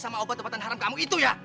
sama obat obatan haram kamu itu ya